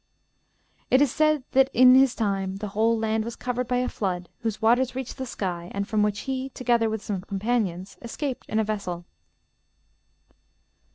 It is said that in his time the whole land was covered by a flood, whose waters reached the sky, and from which he, together with some companions, escaped in a vessel.